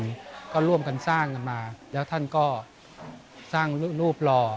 แล้วก็ร่วมกันสร้างกันมาแล้วท่านก็สร้างรูปหล่อ